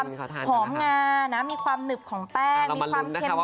ก็จะมีความหอมงานะมีความหนึบของแป้งมีความเค็มนิดค่ะ